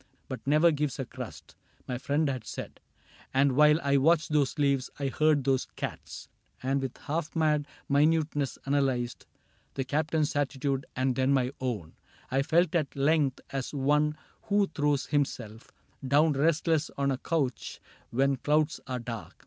But never gives a crust," my friend had said; And while I watched those leaves, and heard those cats. And with half mad minuteness analyzed The Captain's attitude and then my own, I felt at length as one who throws himself Down restless on a couch when clouds are dark.